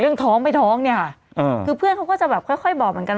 เรื่องท้องไปท้องเนี่ยคือเพื่อนเขาก็จะแบบค่อยบอกเหมือนกัน